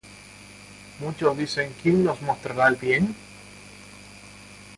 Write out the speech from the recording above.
Muchos dicen: ¿Quién nos mostrará el bien?